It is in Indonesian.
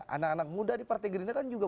anak anak muda di partai gerindra kan juga